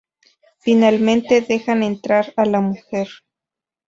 Finalmente, dejan entrar a la mujer.